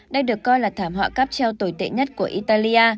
đây được coi là thảm họa cáp treo tồi tệ nhất của italia